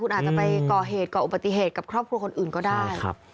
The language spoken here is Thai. คุณอาจจะไปเกาะห์อุบัติเหตุกับที่อื่นก็ได้